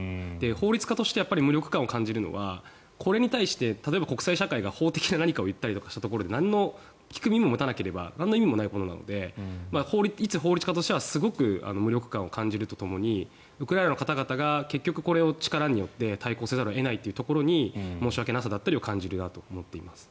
法律家として無力感を感じるのはこれに対して、例えば国際社会が法的何かを言ったとしても聞く耳も持たなければなんの意味もないことなので一法律家としてはすごく無力感を感じるとともにウクライナの方々が力によって対抗せざるを得ないというところに申し訳なさだったりを感じるところだと思います。